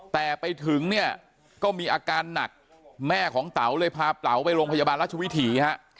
แต่ไปถึงเนี่ยก็มีอาการหนักแม่ของเต๋าเลยพาเป๋าไปโรงพยาบาลรัชวิถีฮะ